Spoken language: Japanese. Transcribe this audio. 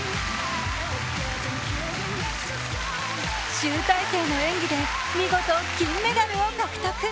集大成の演技で見事金メダルを獲得。